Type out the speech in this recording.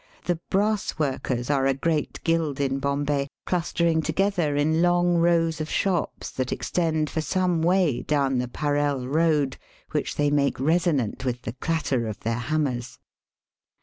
The brass workers are a great guild in Bombay, clustering together in long rows of shops that extend for some way down the Parell Koad, which they make resonant with the clatter of their hammers.